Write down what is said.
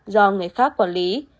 do người khác quản lý